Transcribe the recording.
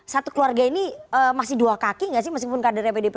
satu keluarga ini masih dua kaki gak sih meskipun kadarnya pd presiden